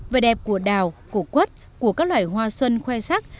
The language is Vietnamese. về đẹp của đào của quất của các loài hoa xuân khoe sắc